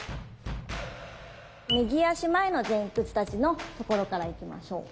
右足前の前屈立ちのところからいきましょう。